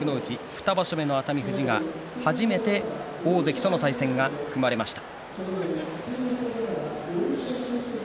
２場所目の熱海富士が初めて大関との対戦が組まれました。